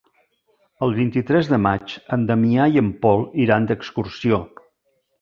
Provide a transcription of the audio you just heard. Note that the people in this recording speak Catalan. El vint-i-tres de maig en Damià i en Pol iran d'excursió.